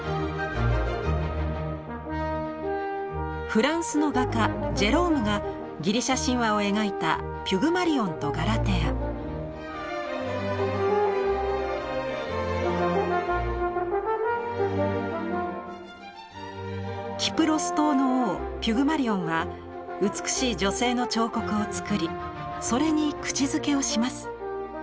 フランスの画家ジェロームがギリシャ神話を描いたキプロス島の王ピュグマリオンは美しい女性の彫刻を作りそれに口づけをします。